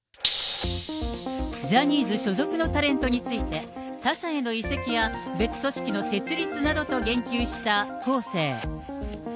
ジャニーズ所属のタレントについて、他社への移籍や、別組織の設立などと言及したコーセー。